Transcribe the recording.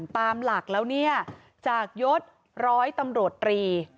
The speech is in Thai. ตามหลักแล้วเนี่ยจากยศร้อยตำรวจตรี